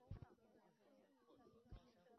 现该城为一个农业中心。